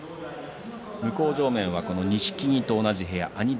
向正面、錦木と同じ部屋